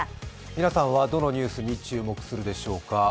皆さんはどのニュースに注目するでしょうか。